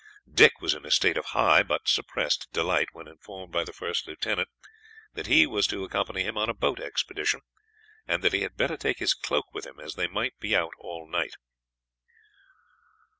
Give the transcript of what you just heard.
Dick was in a state of high but suppressed delight when informed by the first lieutenant that he was to accompany him on a boat expedition, and that he had better take his cloak with him, as they might be out all night.